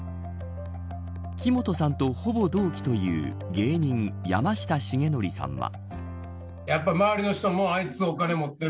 木本さんと、ほぼ同期という芸人、山下しげのりさんは。